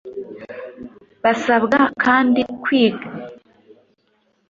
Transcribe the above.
Basabwa kandi kwiga gufata icyemezo igihe cyose bakavuga yego cyangwa oya kubera impamvu batekerejeho neza